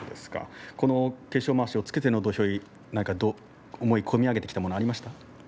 この化粧まわしをつけての土俵入り、思いが込み上げてきたものはありましたか。